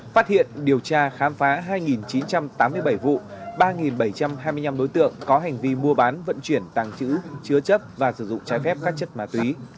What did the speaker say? phát hiện điều tra khám phá hai chín trăm tám mươi bảy vụ ba bảy trăm hai mươi năm đối tượng có hành vi mua bán vận chuyển tàng trữ chứa chấp và sử dụng trái phép các chất ma túy